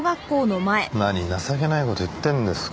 何情けない事言ってるんですか？